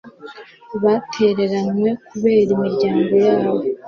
batereranywe kubera imiryango yabo